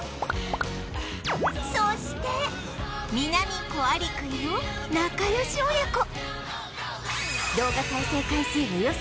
そしてミナミコアリクイの仲良し親子